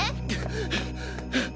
ハァハァ。